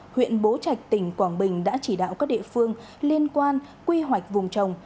huyện bố trạch tỉnh quảng bình đã chỉ đạo các địa phương liên quan quy hoạch vùng trồng